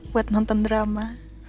buat nonton drama